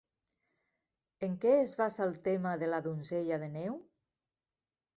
En què es basa el tema de La donzella de neu?